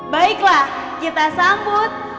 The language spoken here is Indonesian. baiklah kita sambut